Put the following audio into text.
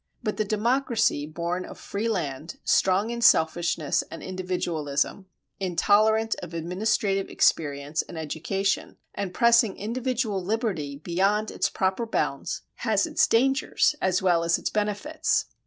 But the democracy born of free land, strong in selfishness and individualism, intolerant of administrative experience and education, and pressing individual liberty beyond its proper bounds, has its dangers as well as its benefits.